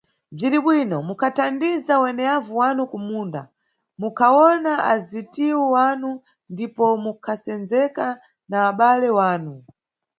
Bziribwino, munʼkathandiza weneyavu wanu kumunda, munkawona azitiwu wanu ndipo munʼkasendzeka na abale wanu.